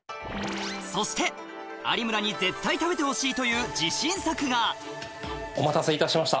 そして有村に絶対食べてほしいという自信作がお待たせいたしました。